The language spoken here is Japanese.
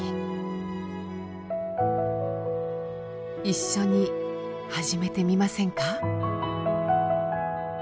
一緒に始めてみませんか？